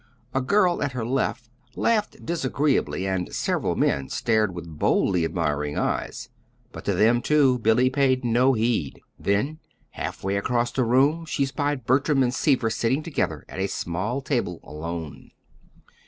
A girl at her left laughed disagreeably, and several men stared with boldly admiring eyes; but to them, too, Billy paid no heed. Then, halfway across the room she spied Bertram and Seaver sitting together at a small table alone.